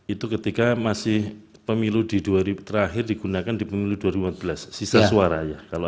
itu ketika masih pemilu di terakhir digunakan di pemilu dua ribu empat belas sisa suara ya